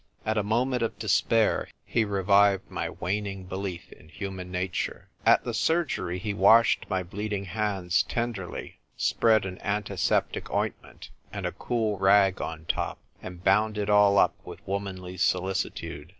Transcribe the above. At a moment of despair, he revived my waning belief in human nature. At the surgery, he washed my bleeding hands tenderly, spread an antiseptic ointment and a cool rag on top, and bound it all up with womanly solicitude.